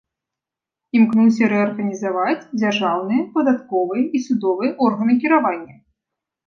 Імкнуўся рэарганізаваць дзяржаўныя, падатковыя і судовыя органы кіравання.